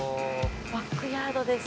バックヤードです。